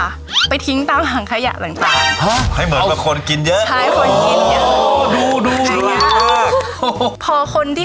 ค่ะไปทิ้งตามห่างคายะต่างให้เหมือนอักษรคนกินเยอะใช่